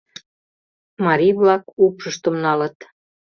Марий-влак упшыштым налыт.